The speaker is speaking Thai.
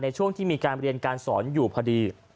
ช่วงที่มีการเรียนการสอนอยู่พอดี